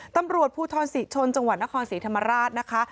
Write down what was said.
ตำรวจภูทรศรีชนจังหวัดนครศรีธรรมราชนะคะ